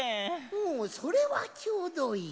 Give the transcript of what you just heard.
ほうそれはちょうどいい！